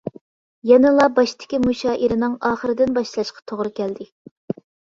يەنىلا باشتىكى مۇشائىرىنىڭ ئاخىرىدىن باشلاشقا توغرا كەلدى.